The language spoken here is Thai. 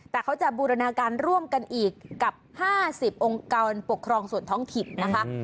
แต่เขาจะบูรณาการร่วมกันอีกกับ๕๐องค์กรปกครองส่วนท้องถิ่นนะคะ